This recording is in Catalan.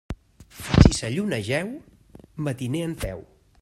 Si sa lluna jeu, mariner en peu.